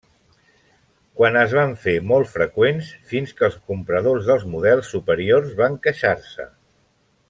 Quan es van fer molt freqüents, fins que els compradors dels models superiors van queixar-se.